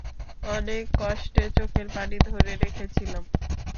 অনেক কষ্টে চোখের পানি ধরে রেখেছিলাম।